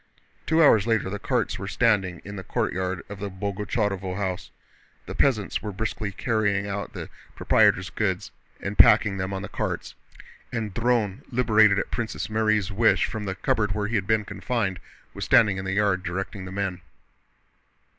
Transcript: Two hours later the carts were standing in the courtyard of the Boguchárovo house. The peasants were briskly carrying out the proprietor's goods and packing them on the carts, and Dron, liberated at Princess Mary's wish from the cupboard where he had been confined, was standing in the yard directing the men.